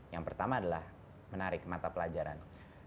yang pertama adalah menarik mata pelajaran